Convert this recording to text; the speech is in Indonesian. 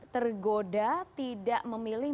tergoda tidak memilih